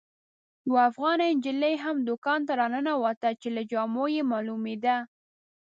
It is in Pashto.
یوه افغانه نجلۍ هم دوکان ته راننوته چې له جامو یې معلومېده.